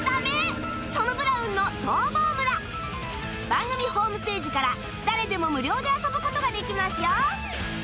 番組ホームページから誰でも無料で遊ぶ事ができますよ